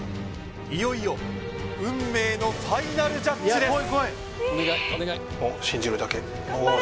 いよいよ運命のファイナルジャッジです